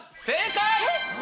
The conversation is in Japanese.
正解！